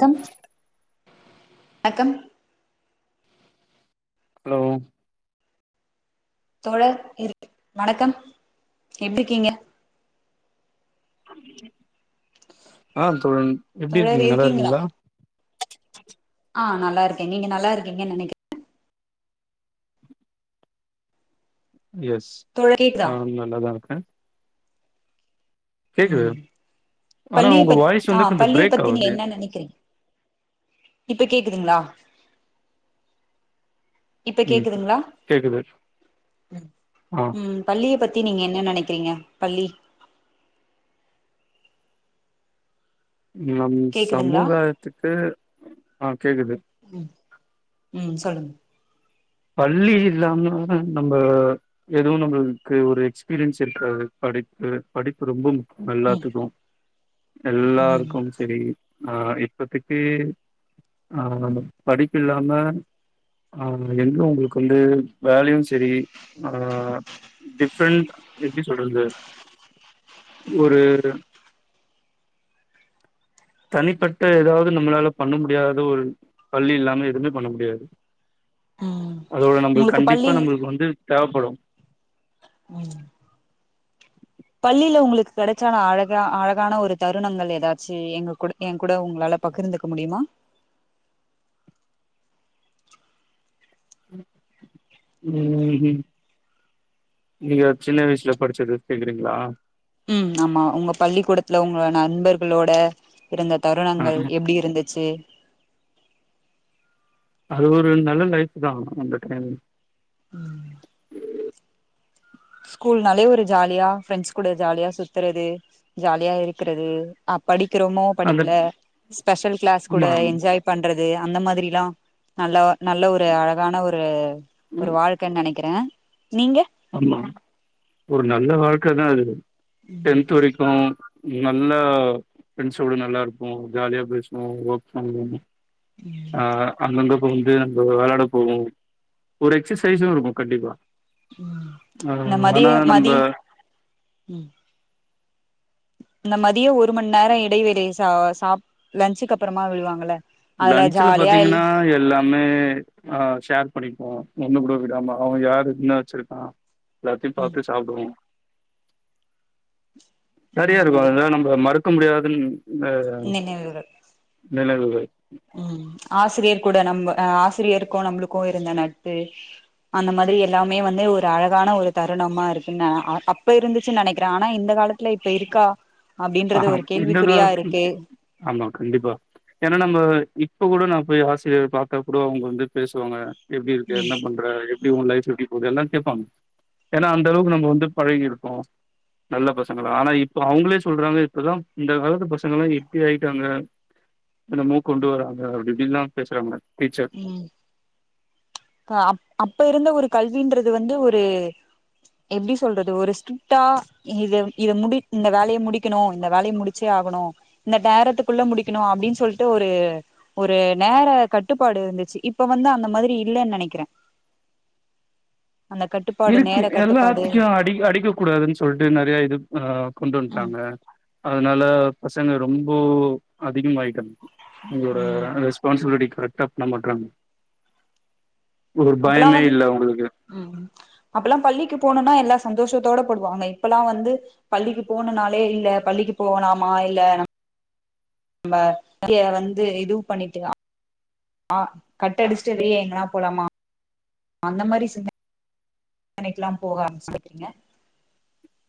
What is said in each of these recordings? Come வணக்கம் hello தோழர் இருக் வணக்கம் எப்டிக்கீங்க ஆ தோழி எப்டி தோழர் இருக்கீங்க இருக்கீங்களா நல்லாருக்கீங்ளா ஆ நல்லாருக்கே நீங்க நல்லாருக்கீங்க நெனக்கி எஸ் தோழர் கேக்குதா நானு நல்லாதா இருக்கே கேக்குது ம் ஆனா பள்ளிய உங்க பத் வாய்ஸ் வந்து ஆ கொஞ்சோ பள்ளிய பிரேக் பத்தி நீங்க ஆவுது என்னா நெனக்கிறீங்க இப்ப கேக்குதுங்ளா இப்ப ம் கேக்குதுங்ளா கேக்குது ம் ஆ ம் பள்ளிய பத்தி நீங்க என்ன நெனைக்கிறீங்க பள்ளி நம் கேக்குதுங்களா சமுகத்துக்கு ஆ கேக்குது ம் ம் சொல்லுங்க பள்ளி இல்லாம நம்ப எதுவு நம்மளுக்கு ஒரு எக்ஸ்பீரியன்ஸ் இருக்காது படிப்பு படிப்பு ரொம்ப ம் எல்லாத்துக்கு ம் எல்லாருக்கும் செரி ஆ இப்பதெக்கி ஆ படிப்பு இல்லாம ஆ எங்க உங்களுக்கு வந்து வேலயு செரி ஆ டிஃப்ரெண்ட் எப்டி சொல்றது ஒரு தனிப்பட்ட எதாவ்து நம்மளால பண்ண முடியாத ஒரு பள்ளி இல்லாம எதுவுமே பண்ண முடியாது ம் அதோட நம்பளுக் உங்களுக்கு கண்டிப்பா பள்ளில் நம்மளுக்கு வந்து தேவப்படு ம் பள்ளில உங்களுக்கு கெடச்சான அழகா அழகான ஒரு தருணங்கள் எதாச்சு எங்க கூட எங் கூட உங்களால பகிர்ந்துக்க முடியுமா ம் ம் நீங்க சின்ன வயசுல படுச்சது கேக்குறீங்களா ம் ஆமா உங்க பள்ளிக்கூடத்துல உங்க நண்பர்களோட இருந்த ஆ தருணங்கள் எப்டி இருந்துச்சு அது ஒரு நல்ல லைஃப் தா அந்த டைம் அ ஸ்கூல்னாலே ஒரு ஜாலியா ஃப்ரெண்ட்ஸ் கூட ஜாலியா சுத்துறது ஜாலியா இருக்குறது அ படிக்கிறமோ அந்த படிக்கல ஸ்பெஷல் கிளாஸ் கூட ஆமா என்ஜாய் பண்றது அந்த மாதிரில்ல நல்ல நல்ல ஒரு அழகான ஒரு ஒரு ம். வாழ்க்கன் நெனெக் கிறே நீங்க ஆமா ஒரு நல்ல வாழ்க்க தா அது டென்த் வரைக்கு நல்லா பிரண்ட்ஸோடோ நல்லா இருக்கு ஜாலியா பேசுவோ ஒர்க் பண்ணுவோ ம் ஆ அங்கங்கப்ப வந்து அங்க விளாட போவோ ஒரு எக்சசைஸ்ம் இருக்கும் கண்டிப்பா உம் ஆ இந்த மதிய ஆனா நம்ம மதி உம் இந்த மதியம் ஒரு ம நேரம் இடைவெளி சா சா லன்சுக்கு அப்புறமா விடுவாங்கள லன்ச்சல பாத்தீங்கன்னா எல்லாம் மே ஆ ஷேர் பண்ணிப்போ ஒண்ணு கூட விடாம அவன் யாரு என்ன வச்சிருக்கா எல்லாத்தி ம் பார்த்த சாப்பிடுவோ சரியா அந்த இருக்கும் மாதிரி அதால நம்ம மறுக்க முடியாதுன்னு நினைவுகள் உம் ஆசிரியர் கூட நம்ம ஆசிரியருக்கும் நம்மளுக்கும் இருந்த நட்பு அந்த மாதிரி எல்லாமே வந்து ஒரு அழகான ஒரு தருணமா இருக்குன்னு அப்ப இருந்துச்சு நினைக்கிறே ஆனா இந்த காலத்து இல்ல இப்ப இருக்கா ஆ அப்படின்றது ஒரு இந்த கேள்விக்குறியா கால இருக்கு ஆமா கண்டிப்பா ஏன்னா நம்ம இப்ப கூட நா போய் ஆசிரியர் பார்த்தா கூட அவங்க வந்து பேசுவாங்க எப்படி இருக்கு ம் என்ன பண்ற எப்படி உ லைப் எப்படி போகுது எல்லாம் கேட்பாங்க ஏன்னா அந்த அளவுக்கு நம்ம வந்து பழகிருப்போ நல்ல பசங்களா ஆனா இப்ப அவங்களே சொல்றாங்க இப்பதா இந்த காலத்து பசங்க எல்லா எப்படி ஆயிட்டாங்க என்னேமே கொண்டு வராங்க அப்படிப்படிலா பேசுறாங்க டீச்சர் உம் அ அப்ப இருந்த ஒரு கல்வின்றது வந்து ஒரு எப்படி சொல்றது ஒரு ஸ்ரிட்டா இது இது முடி இந்த வேலையை முடிக்கணும் இந்த வேலையை முடிச்சே ஆகணு இந்த டேரத்துக்குள்ள முடிக்கணும் அப்படின்னு சொல்லிட்டு ஒரு ஒரு நேர கட்டுப்பாடு இருந்துச்சு இப்ப வந்து அந்த மாதிரி இல்லன்னு நினைக்கிறேன் அந்த கட்டு இருக்கு எல்லாத்துக்கும் அடி அடிக்க கூடாதுன்னு சொல்லிட்டு நிறைய இது கொண்டு வந்துட்டாங்க அதனால பசங்க ரொம்ப அதிகமாய்ட்டாங்க உங்களோட ம் ரேஸ்பான்சிபிலிடி கரெக்டா பண்ண மாடறாங்க ஒரு பயமே இல்ல உங்களுக்கு உம் அப்ப எல்லா பள்ளிக்கு போனணும்னா எல்லா சந்தோஷத்தோட போடுவாங்க இப்பல்லா வந்து பள்ளிக்கு போனும் நாலே இல்லா பள்ளிக்கு போலாமா இல்ல நம்ம இங்க வந்து இது பண்ணிகளா ஆ கட் அடிச்சட்டு வெளிய எங்கனா போகலாமா அந்த மாதிரி சினாரியோ கடைக்கலாம் போக ஆரம்பச்சுட்டங்க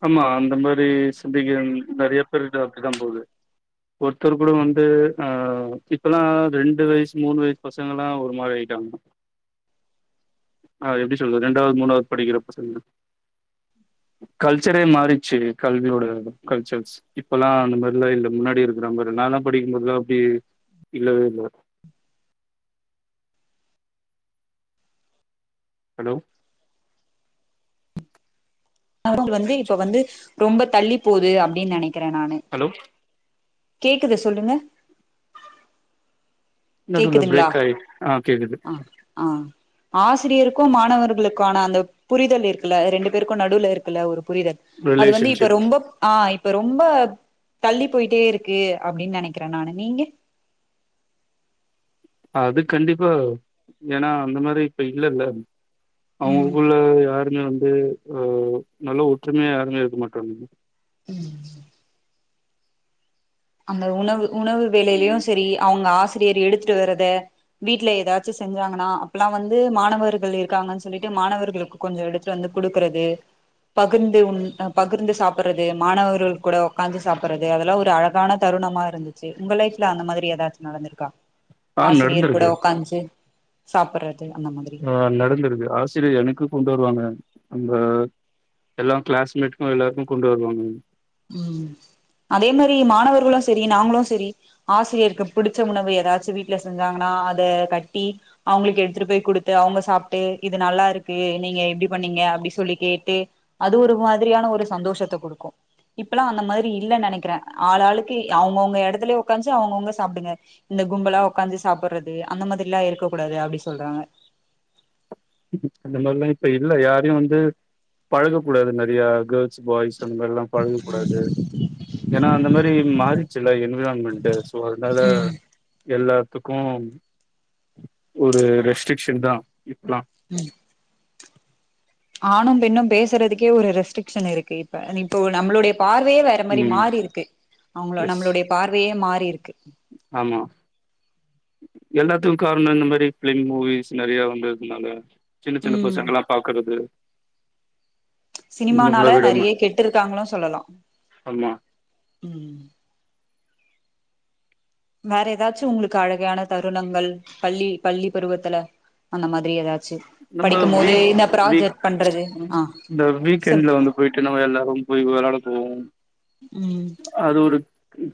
ஆமா அந்த மாதிரி சிந்திக்கிற நிறைய பேர் இ அப்படிதா போது ஒருத்தர் கூட வந்து ஆ இப்பல்லாம் ரெண்டு வயசு மூணு வயசு பசங்க எல்லா ஒரு மாதிரி ஆயிட்டாங்க ஆ எப்படி சொல்றது ரெண்டாவது மூணாவது படிக்கிறப்ப பசங்க கல்ச்சரே மாறிச்சு கல்வியோட கல்ச்சர்ஸ் இப்பல்லா அந்த மாதிரிலா இல்லா முன்னாடி இருக்கிற மாதிரி நான்ல்லா படிக்கும்போதுெல்லாம் அப்படி இல்லவே இல்ல ஹலோ அவ வந்து இப்ப வந்து ரொம்ப தள்ளி போகுது அப்படின்னு நினைக்கிறே நானு ஹலோ கேக்குது சொல்லுங்க நடுல நடுல கேக்குதுங்களா ப்ரேக் ஆயி ஆ கேக்குது ஆ ஆ ஆசிரியருக்கு மாணவர்களுக்குமான அந்த புரிதல் இருக்குல ரெண்டு பேருக்கு நடுவுல இருக்குல ஒரு புரிதல் அது வந்து இப்ப ரிலேஷன்ஷிப் ரொம்பப் ஆ இப்ப ரொம்ப தள்ளி போயிட்டே இருக்கு அப்டின்னு நெனைக்கிறே நானு நீங்க அது கண்டிப்பா ஏன்னா அந்த மாரி இப்ப இல்லல்ல ம் அவங்களுக்குள்ள யாருமே வந்து ஆ நல்ல ஒற்றுமையா யாருமே இருக்க மாட்டாங்க உம் அந்த உணவு உணவு வேலையிலயு செரி அவங்க ஆசிரியர் எடுத்துட்டு வர்றத வீட்டு்ல ஏதாச்சு செஞ்சாங்கன்னா அப்பெல்லா வந்து மாணவர்கள் இருக்காங்கன்னு சொல்லிட்டு மாணவர்களுக்கு கொஞ்சோ எடுத்துட்டு வந்து கொடுக்குறது பகிர்ந்து உண் பகிர்ந்து சாப்பிர்ரது மாணவர்கள் கூட உக்காந்து சாப்புர்ரது அதெல்லா ஒரு அழ கான தருணமா இருந்துச்சு உங்க லைஃப் அந்த மாரி ஏதாச்சு நடந்திருக்கா ஆ ஆசிரியர் கூட நடந்திருக்கு உக்காந்து சாப்புர்ரது அந்த மாதிரி ஆ நடந்துருக்கு ஆசிரியர் எனக்கு கொண்டு வருவாங்க அந்த எல்லா களஸ்மேட்டுக்கு எல்லாருக்கு கொண்டு வருவாங்க ம் அதே மாரி மாணவர்களு செரி நாங்களு செரி ஆசிரியருக்கு புடிச்ச உணவு ஏதாச்சு வீட்டுல செஞ்சாங்கன்னா அத கட்டி அவங்களுக்கு எடுத்துட்டு போய் குடுத்து அவங்க சாப்ட்டு இது நல்லா இருக்கு நீங்க எப்டி பண்ணீங்க அப்டி சொல்லி கேட்டு அது ஒரு மாதிரியான ஒரு சந்தோஷத்த கொடுக்கு இப்பெல்லா அந்த மாரி இல்ல நெனைக்கிறே ஆள் ஆளுக்கு அவங்கவுங்க இடத்துலயே உக்காந்துச அவங்கவுங்க சாப்டுங்க இந்த கும்பலா உக்காந்து சாப்டுறது அந்த மாரில்லா இருக்க கூடாது அப்டினு சொல்றாங்க அந்த மாதிரால்லா இப்ப இல்ல யாரையு வந்து பழக கூடாது நெறைய கேர்ள் பாய்ஸ் அந்த மாரில்லா பழகக்கூடாது ஏன்னா அந்த மாரி மாறிச்சுலா என்விரான்மென்ட் சோ அதனால ம் எல்லாத்துக்கு ஒரு ரெஸ்ட்ரிக்ஷன் தா இப்பல்லா ம் ஆணும் பெண்ணு பேசுறதுக்கே ஒரு ரெஸ்ட்ரிகீக்ஷன் இருக்கு இப்ப இப்போ நம்மளுடைய பார்வையே வேற அந்த மாரி ம் மாறி இருக்கு அவங்கள எஸ் நம்மளுடைய பார்வையே மாறி இருக்கு ஆமா எல்லாத்துக்கு காரணோ இந்த மாதிரி ஃபிலிம் மூவிஸ் நெறைய வந்ததுனால சின்ன சின்ன ம் பசங்களா பாக்குறது ஒண்ணு சினிமானால கூட விடாம நெறைய கெட்டு இருக்காங்கனு சொல்லலா ஆமா ம் வேற ஏதாச்சு உங்களுக்கு அழகையான தருணங்கள் பள்ளி பள்ளி பருவத்துல அந்த மாரி ஏதாச்சு நம்ம படிக்கு போது வீக் இந்த வீக் ப்ராஜெட் பண்றது ஆ சொல்லு போய்ட்டு நம்ம எல்லாரு போய் விளையாட போவோ ம் அது ஒரு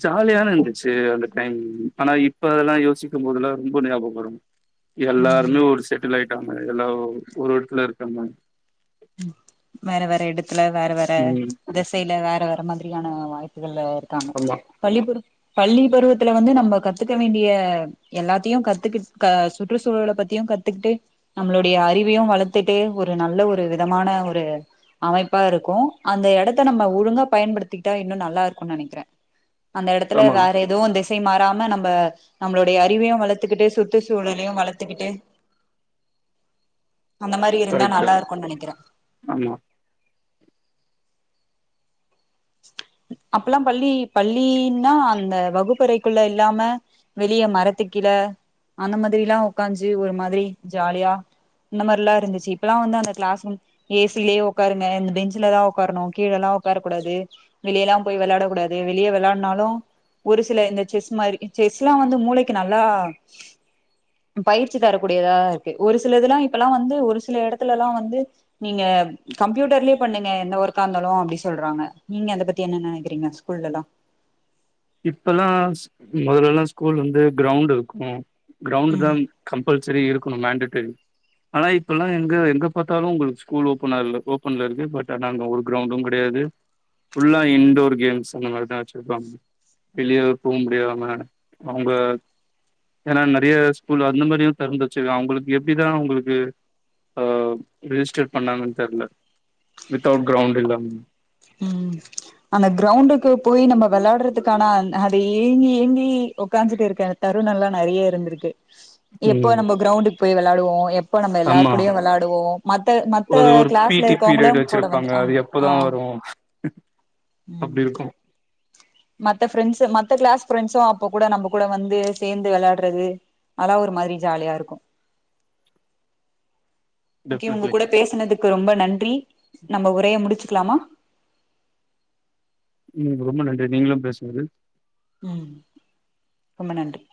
ஜாலியான இருந்துச்சு அந்த டைம் ஆனா இப்ப அதெல்லா யோசிக்கு போதொல்லா ரொம்ப ஞாபகோ வரு ம் எல்லாருமே ஒரு செட்டில் ஆகிட்டாங்க எல்லா ஒ ஒரு இடத்துல இருக்காங்க வேற வேற இடத்துல வேற வேற ம் திசையில வேற வேற மாதிரியான வாய்ப்புகள்ள இருக்கு தாமு ஆமா பள்ளி பருவ பள்ளி பருவத்துல வந்து நம்ம கத்துக்க வேண்டிய எல்லாத்தையு கத்துக்கிட் க சுற்றுச்சூழல பத்தியு கத்துக்கிட்டு நம்மளுடைய அறிவையு வளர்த்துட்டு ஒரு நல்ல ஒரு விதமான ஒரு அமைப்பா இருக்கு அந்த இடத்த நம்ம ஒழுங்கா பயன்படுத்திட்டா இன்னு நல்லா இருக்கு நெனைக்கிறே அந்த இடத்துல ஆமா வேற எதுவு திசை மாறாம நம்ம நம்மளுடைய அறிவியு வளத்துக்கிட்டு சுற்றுச்சூழலயு வளத்துக்கிட்டு அந்த மாரி இருந்தா கரெக்ட்டு நல்லா இருக்குன் நெனைக்கிறே ஆமா அப்பலா பள்ளி பள்ளின்னா அந்த வகுப்பறைக்குள்ள இல்லாம வெளிய மரத்துக்கீழ அந்த மாதிரில்லா உக்காஞ்சு ஒரு மாதிரி ஜாலியா இந்த மாரிலா இருந்துச்சு இப்பெல்லா வந்தந்த க்ளாஸ் ரூம் ஏசிலியே உக்காருங்க இந்த பெஞ்சுலதா உக்காரணு கீழெல்லா உக்காரக்கூடாது வெளியல்லா போய் விளாடக்கூடாது வெளியே விளானாலு ஒரு சில இந்த செஸ் மாரி செஸ்லா வந்து மூளைக்கு நல்லா பயிற்சி தரக்கூடியதா இருக்கு ஒரு சில இதுலா இப்பெல்லா வந்து ஒரு சில எடத்துலலா வந்து நீங்க கம்ப்யூட்டர்லயே பண்ணுங்க எந்த ஒர்க்கா இந்தாலு அப்டி சொல்றாங்க நீங்க அத பத்த என்ன நெனைக்கிறீங்க ஸ்கூல்லெல்லா இப்பல்லா மொதலெல்லா ஸ்கூல் வந்து க்ரௌண்டிருக்கு க்ரௌண்டுதா கம்பல்சரி இருக்கணு மேண்டேட்டரி ஆனா இப்பல்லா எங்க எங்க பாத்தாலு உங்களுக்கு ஸ்கூல் ஓப்பனா இல்ல ஓப்பன்ல இருக்கு பட் ஆனா அங்க ஒரு க்ரௌண்டு கெடையாது ஃபுல்லா இன்டோர் கேம்ஸ் அந்த மாரிதா வெச்சிருப்பாங்க வெளியவே போ முடியாம அவுங்க ஏனா நெறைய ஸ்கூல் அந்த மாரியு தெறந்து வெச்சுருக்கா அவுங்களுக்கு எப்டிதா அவுங்களுக்கு அ ரிஜிஸ்டர் பண்ணுனாங்கன் தெர்ல வித்தவுட் கிரௌண்ட் இல்லாம் ம் அந்த கிஅரௌண்டுக்கு போய் நம்ம விளாடாறதுக்கான அந் அத ஏங்கி ஏங்கி உக்காந்துட்டு இருக்கற தருணல்லா நெறையா இருந்திருக்கு எப்போ ம் நம்ம க்ரௌண்டுக்ஸபோய் விளாடுவோ எப் ப நம்ம எல்லாரு ஆமா கூடயு விளாடுவோ மத்த மத்த அது ஒரு பி க்ளாஸ்ல டி இருக்கவங்களு பீரியட் கூட வந்து வச்சிருப்பாங்க ஆ அது ஆ ஆ எப்பதா வரு ம் அப்டி இருக்கு மத்த ஃப்ரெண்ஸு மத்த க்ளாஸ் ஃப்ரெண்ஸு அப்போ கூட நம்ப கூட வந்து சேந்து விளாட்றது அலா ஒரு மாரி ஜாலியா இருக்கு ஓகே உங்க டெஃபினெட்லி கூட பேசனதுக்கு ரொம்ப நன்றி நம்ம உரைய முடிச்சுக்லாமா ம் ரொம்ப நன்றி நீங்களு பேஸ்னது ம் ரொம்ப நன்றி